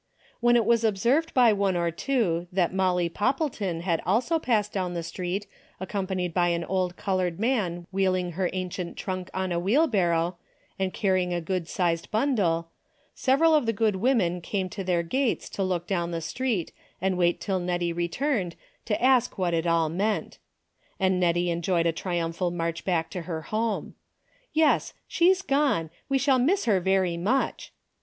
When it was observed by one or two that Molly Poppleton had also passed down the street accompanied by an old colored man wheeling her ancient trunk on a wheelbarrow, and carrying a good sized bun dle, several of the good women came to their gates to look down the street, and "wait till Hettie returned to ask what it all meant. And JSTettie enjoyed a triumphal march back to her home. " Yes, she's gone, we shall miss her very much."